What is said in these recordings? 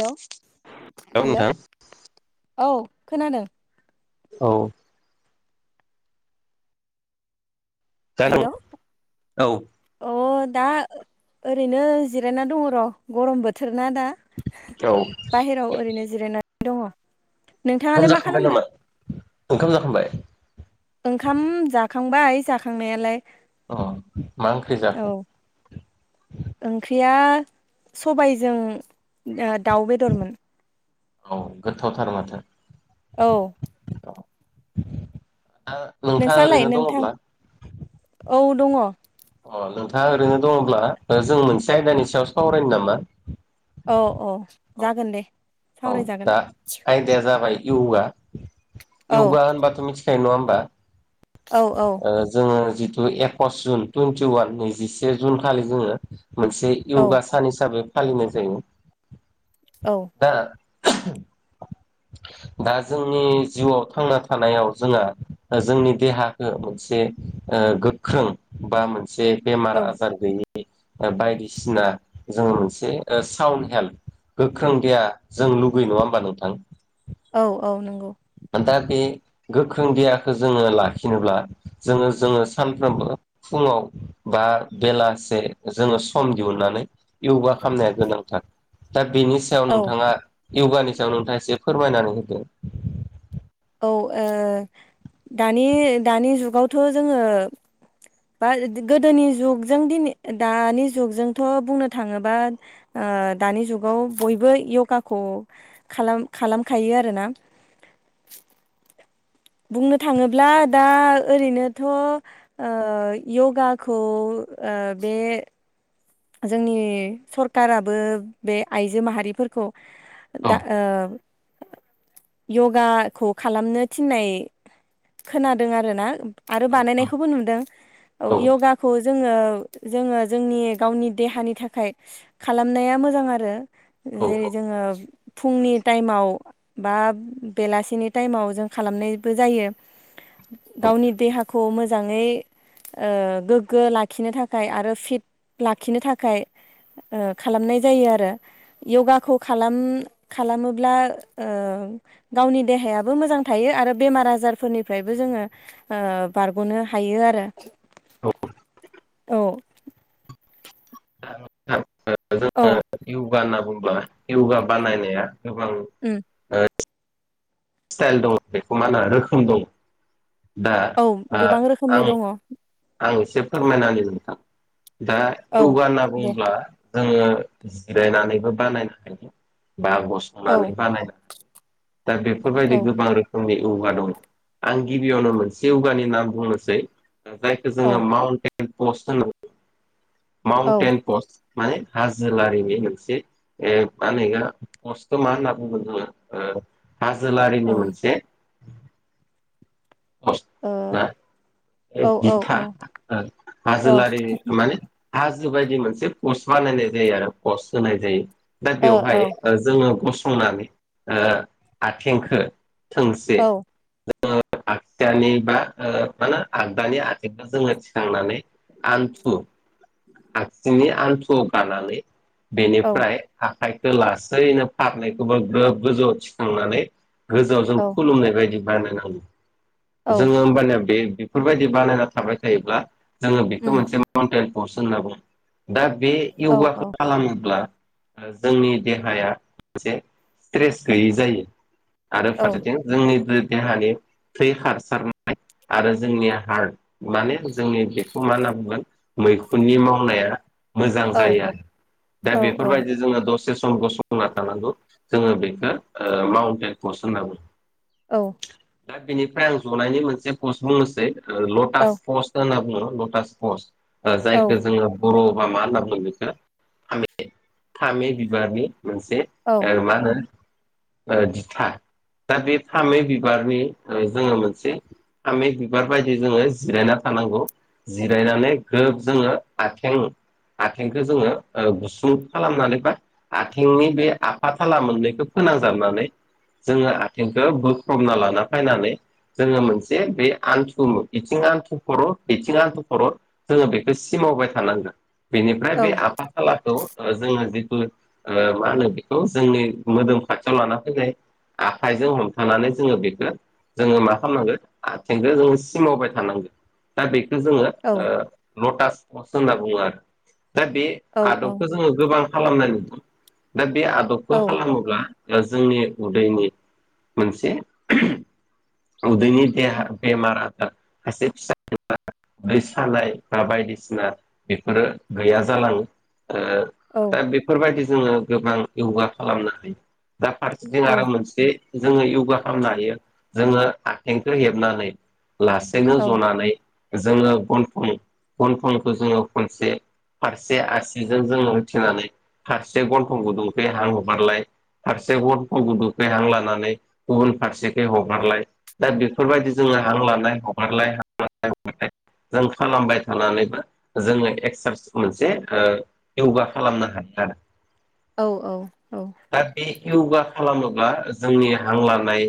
Hello औ hello नोंथां औ खोनादों औ दा नों हेल्ल' औ अ दा ओरैनो जिरायना दङ र' गरम बोथोर ना दा ओंखाम बाहेराव ओरैनो जिरायनानै दङ नोंथाङालाय मा जाखांबाय खालामदों नामा ओंखाम जाखांबाय ओंखाम जाखांबाय जाखांनायालाय अ मा ओंख्रि औ जाखो ओंख्रिया सबायजों दाउ बेदरमोन औ गोथावथार माथो औ औ दा नोंथाङा नोंस्रालाय ओरैनो नोंथां दङब्ला औ दङ अ नोंथांङा ओरैनो दंङ'ब्ला जों मोनसे आयदानि सायाव सावरायनो नामा औ औ जागोन दे औ सावरायजागोन दा आयदाया जाबाय योगा औ योगा होनबाथ' मिथि खायो नङा होमबा औ औ जोङो जिथु एकस जुन टुइन्टि वान नैजिसे जुन खालि जोङो मोनसे औ योगा सान हिसाबै फालिनाय जायो औ दा [inaudible] दा जोंनि जिउआव थांना थानायाव जोंहा जोंनि देहाखौ मोनसे गोख्रों बा मोनसे बेमार औ आजार गैयै बायदिसिना जोङो मोनसे साउन हेल्थ गोख्रों देया जों लुगैयो नङा होमबा नोंथां औ औ नंगौ दा बे गोख्रों देहाखौ जोङो लाखिनोब्ला जोङो जोङो सानफ्रोमबो फुङाव बा बेलासे जोङो सम दिहुननानै योगा खालामनाया गोनां दा बेनि सायाव औ नोंथाङा यगानि सायाव नोंथाङा एसे फोरमायनानै होदो औ दानि दानि जुगावथ' जोङो बा गोदोनि जुगजों दिनै दानि जुगजोंथ' बुंनो थाङोबा दानि जुगाव बयबो योगाखौ खालामखायो आरोना [inaudible] बुंनो थाङोब्ला दा ओरैनोथ' य'गाखौ आ बे जोंनि सरखाराराबो बे आइजो माहारिफोरखौ औ दा आ यगाखौ खालामनो थिननाय खोनादों आर ना आरो औ बानायनायखौबो नुदों औ यगाखौ जोङो जोङो जोंनि गावनि देहानि थाखाय खालामनाया मोजां आरो औ जेरै जोङो फुंनि टाइमाव बा बेलासिनि टाइमाव जों खालामनायबो जायो। औ गावनि देहाखौ मोजाङै गोग्गो लाखिनो थाखाय आरो फिट लाखिनो थाखाय खालामनाय जायो आरो यगाखौ खालाम खालामोब्ला गावनि देहायाबो मोजां थायो आरो बेमार आजारफोरनिफ्रायबो जोङो बारग'नो हायो आरो औ औ जोङो औ यगा होनना बुंुङोब्ला यगा बानायनाया गोबां उम स्टाइल दङ बेखौ माो रोखोम दङ। दा औ गोबां रोखोमनि आं दङ आं एसे फोरमायनानै मोनथां दा औ यगा होनना दे बुङोब्ला जोङो जिरायनानैबो बानायनो हायो बा औ गसंनानै बानायनो हायो। दा औ बेफोरबायदि गोबां रोखोम आंनि यगा दं आं गिबियावनो मोनसे यगानि नाम बुंनोसै जायखौ जोङो औ माउन्टेन पस्ट होन औ माउन्टेन पस्ट माने हाजोोलारिनि मोनसे मा होनोा पस्टखौ मा होनना बुङो जोङो हाजो लारिनि ओम मोनसे पस्ट अ ना बिथा औ हाजोलारि माने हाज हाजो बायदि मोनसे पस्त बानायनाय जायो। संनानै ओ आथेंखो थोंसे ओ आगदानि बा मा होनो आगदानि आखबा जोङो थिखांनानै आन्थु आगसिनि आन्थुआव गानानै। औ बेनिफ्राय आखाइखौ लासैनो फारनायैखौबो ग्रोब गोजौ थिखांनानै गोजौआव जों औ खुलुमनाय बायदि बानायनांगौ औ जोङो होमबानिया बे बेफोरबायदि बानायना थाबाय थायोब्ला जोङो बेखौ उम मोनसे माउन्टेन पसन होनना बुङो। दा बे औ औ यगाखौ खालामोब्ला जोंनि देहाया मोनसे स्ट्रेस गैयै जायो। आरो औ फारसेथिं जोंनि बे देहानि थै हारसारनाय आरो जोंनि हार्ट माने जोंनि बेखौ मा होनना बुंगोन मैखुननि मावनाया मोजां औ जायो आरो दा औ बेफोरबायदि जोङो दस से सम गसंना थानांगौ जोङो बेखो माउन्टेन कस होनना बुङो। औ दा बेनिफ्राय आं जनायनि मोनसे पस्ट बुंनोसै ओ ल'टास पस्ट होनना बुङो ल'टास पस्ट ओ जायखो जोङो बर' बा मा होनना बुङो बेखो फामे-फामे बिबारनि मोनसे ओ मा होनो ओ दिथा दा बे फामे बिबारनि ओ जोङो मोनसे फामे बिबार बायदि जोङो जिरायना थानांगौ जिरायनानै ग्रोब जोङो आथें आथेंखो जोङो ओ गुसुं खालामनानै बा आथिंनि बे आफा थाला मोननैखो फो फोनांजाबनानै जोङो आथेंखो बोख्रबना लाना फायनानै जोङो मोनसे बे आन्थुु बिथिं आन्थु खर' बिथिं आन्थु खर' जोङो बेखो सिम [inaudible] थानांगोन बेनिफ्राय बे आफा थालाखौ ओ जोङो जि ओ मा होनो बेखौ जोंनि मोदोम खाथियाव लाना फायनाय आखाइजों हमथानानै जोङो बेखो जोङो मा खालामनांगो आथेंखो जों सिमावबाय थानांगो दा बे जोङो ओ लटास [inaudible] होनना बुङो आरो दा बे औ आदबखो जोङो गोबां खालामनाय नुदों दा बे आदबखौ औ खालामोब्ला जोंनि उदैनि मोनसे उदैनि [inaudible] औ दै सानाय बा बायदिसिना बेफोरो गैया जालाङो ओ औ दा बेफोरबायदि जोङो गोबां यगा खालामनो हायो दा फारसेथिं औ आरो मोनसे जोङो यगा खामनो हायो जोङो आथेंखो हेबनानै लासेनो औ जनानै जोङो गन्थं-गनथंखो जोङो खनसे फारसे आसिजों जोङो होथेनानै फारसे गन्थं गुदुंखि हां हगारलाय फारसे गन्थं गुदुखै हां लानानै गुबुन फारसेखै ह गारलाय दा बेफोरबायदि जोङो हां लानाय हगारलाय हां लानाय [inaudible] जों खालामबाय थानानैबो जोङो एक्सारस मोनसे ओ यगा खालामनो हायो आर औ औ औ य'गा खालामोब्ला जोंनि हां लानाय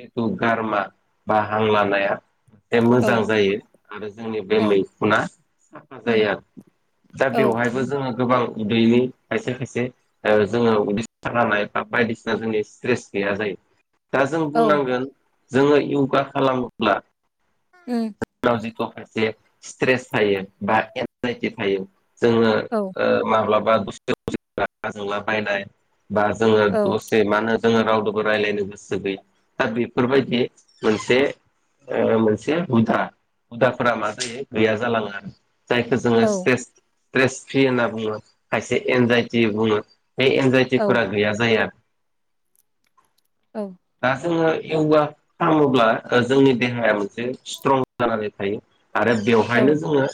जिथु गारमा बा हां लानाया ए मोजां जायो आरो जोंनि बे औ मैखुना साफा उम जायो आरो दा औ बेवहायबो जोङो गोबां उदैनि खायसे खायसे ओ जोङो उदै सानाय बा बायदिसिना जोंनि स्ट्रेस गैया जायो दा जों औ बुंनांगोन जोङो यगा खालामोब्ला ओ जितु खायसे स्ट्रेस थायो बा एनजाइटि थायो जोङो औ ओ माब्लाबा [inaudible] रागा जोंला बायनाय बा जोङो औ दसे मा होनो जोङो रावदोबो रायलायनो गोसो गैया दा बे फोरबायदि मोनसे ओ मोनसे हुदा हुदाफोरा मा जायो गैया जालाङो आरो जायखो औ जोङो स्ट्रेस ट्रेस फ्रि होनना बुङो खायसे एनजाइटि बुङो बे एनजाइटिफोरा गैया जायो आर दा जोङो य'गा खालामोब्ला ओ जोंनि देहाया मोनसे स्ट्रं जानानै थायो आरो औ बेवहायनो जोङो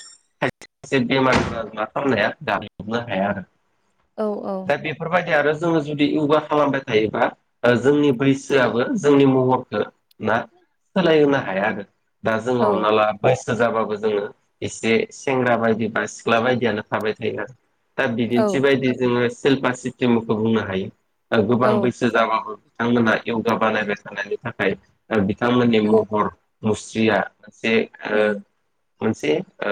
खायसे बेमारफोरा मा खालामनो हाया [inaudible] हाया आरो औ औ औ दा उम बेफोरबायदि आरो जोङो जुदि य'गा खालामबाय थायोबा ओ जोंनि बैसोआबो जोंनि म ना सोलायहोनो हाया आरो दा जों उम हमनाला बोसोर जाबाबो जोङो एसे सेंग्रा बायदि बा सिख्ला बायदियानो थाबाय थायो आरो दा औ बिदिन्थि बायदि जोङो सिल्पा सिस्टेमखौ बुंनो हायो गोबां बैसो जाबाबो बिथांमोना यगा बानायबाय थानायनि थाखाय दा बिथांमोननि महर मुस्रिया मोनसे ओ मोनसे ओ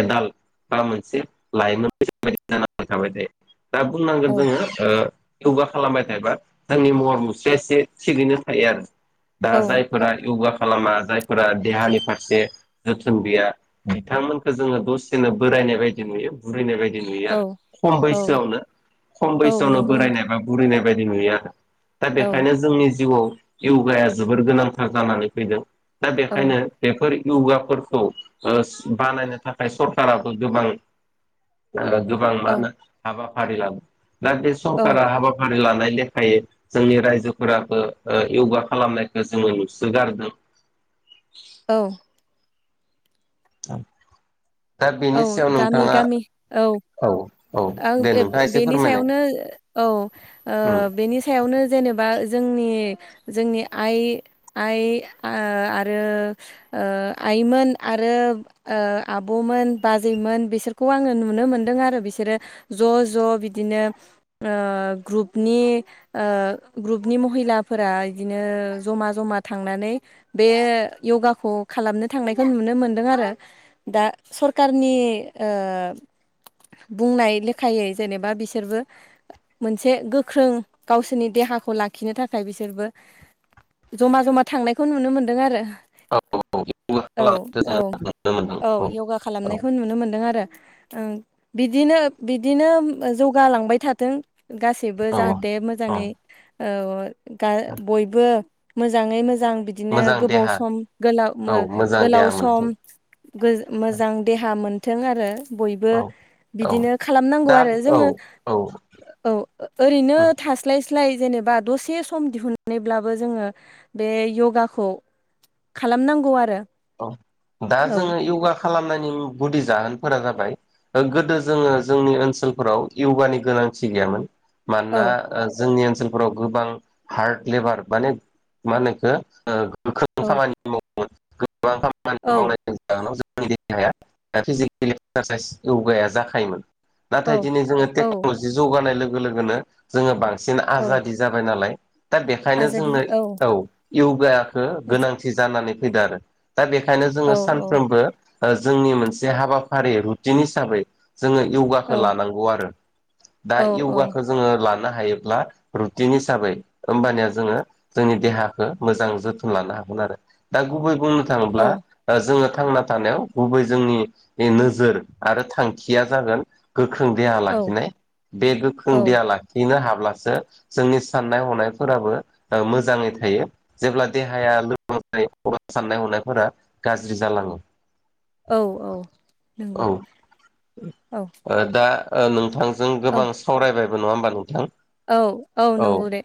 एडाल्ट बा मोनसे लाइमोन बैसो जानानै थाबाय थायो दा बुंनांगोन जोङो ओ य'गा खालामबाय थायोबा जोंनि महर मुस्रिया एसे थिगैनो थायो आरो। दा औ जायफोरा यगा खालामा जायफोरा देहानि फारसे जोथोन गैया बिथांमोनखौ जों दसेनो जानाय बायदि नुयो बुरैनाय बाय दि नुयो आरो औ खम औ बैसोआवनो खम औ बैसोआवनो नंगौ बोरायनाय नोंथां बा बुरिनाय बायदि नुयो आरो। दा औ बेखायनो जोंनि जिउआव यगाया जोबोर गोनांथार जानानै फैदों। दा औ बेखायनो बेफोर यगाफोरखौ ओ बानायनो थाखाय सरखाराराबो गोबां ओ गोबां मा औ होनो हाबाफारि लादों दा बे औ सरकारा हाबाफारि लानाय लेखायै जोंनि रायजोफोराबो ओ योगा खालामनाय दा जोङो नुसोगारदों। औ औ औ गामि गामि औ औ आं दे बे- नोंथाङा एसे बे-बेनि फोरमायनाय सायावनो औ उम ओ बेनि सायावनो जेनेबा जोंनि जोंनि आइ आइ ओ आरो ओ आइमोन आरो ओ आब'मोन बाजैमोन बिसोरखौ आङो नुनो मोनदों आरो बिसोरो ज' ज' बिदिनो ओ ओ ग्रुपनि ओ ग्रुपनि महिला फोरा इदिनो जमा जमा थांनानै बे यगाखौ खालामनो थांनायखौ नुनो मोनदों आरो दा सर खारनि ओ बुंनाय लेखायै जेनेबा बिसोरबो मोनसे गोख्रों गावसोरनि देहाखौ लाखिनो थाखाय बिसोरबो जमा जमा थांनायखौ नुनो मोनदों आरो। औ औ य'गा औ खालामनायखौ औ जोङो नुनो मोनदों औ यगा औ खालामनायखौ नुनो मोनदों आरो। ओं बिदिनो बिदिनो जौगालांबाय थाथों। गासैबो औ औ जाहाथे औ मोजाङै ओ गा बयबो मोजाङै मोजा मोजां बिदिनो मोजां गोबाव देहा सम गोला औ मो मोजां देहा गोलाव मोनथों सम गोज मोज देहा मोनथों आरो बयबो औ औ बिदिनो खालामनांगौ दा आरो औ जोङो औ औ ओरैनो थास्लाय स्लाय स्लाय जेनेबा दसे सम दिहुननानैब्लाबो जोङो बे यगाखौ खालामनांगौ आरो। औ दा औ जोङो योगा खालामनायनि गुदि जाहोनफोरा जाबाय ओ गोदो जोङो जोंनि ओनसोलफोराव यगानि गोनांथि गैयामोन। औ मानोना जोंनि ओनसोलफोराव गोबां हार्ड लेबार माने मा होनोखो औ गोख्रों खामानि मावो। गोबां खामानि औ मावनायनायनि जाहोनाव जों जोंनि देहाया बा फिजिकेलि एक्सारसाइस यगाया जाखायोमोन। औ नाथाय दिनै जोङो औ टेक्न'लजि जौगानाय लोगो लोगोनो जोङो बां सिन औ आजादि जाबाय नालाय दा बेखायनो जोंनो औ योगा औ गोनांथि जानानै फैदो आरो दा बेखायनो औ जोङो सानफ्रोमबो ओ जोंनि मोनसे हाबाफारि रुटिन हिसाबै जोङो औ यगाखौ लानांगौ आरो दा औ औ यगाखौ जोङो लानो हायोब्ला रुटिन हिसाबै होमबानिया जोङो जोंनि देहाखौ मोजां जोथोन लानो हागोन। लादो दा गुबै बुंनो थाङोब्ला ओ जोङो थांना थानायाव गुबै जोंनि नोजोर आरो थांखिया जागोन गोख्रों देहा औ लाखिनाय बे गोख्रों औ देहा लाखिनो हाबा अब्लासो जोंनि साननाय हनायफोराबो ओ मोजाङै थायो जेब्ला देहाया साननाय बहुत सानना हनायफोरा गाज्रि जालाङो। औ औ नंगौ औ औ ओ दा ओ नोंथांजों औ गोबां सावरायबायबो नङा होमबा नोंथां? औ औ नंगौ दे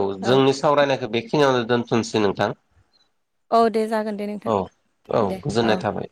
औ जोंनि सावरायनायखौ बेखिनि खिनियावनो दोनथ'नोसै नोंथां औ दे जागोन दे नोंथां औ औ दे औ गोजोननाय थाबाय